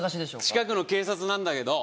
近くの警察なんだけど。